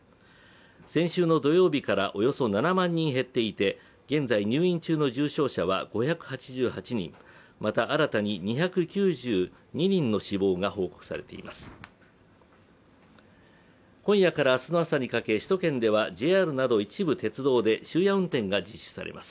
先週の土曜日からおよそ７万人減っていて現在入院中の重症者は５８８人、また、新たに２９２人の死亡が報告されています。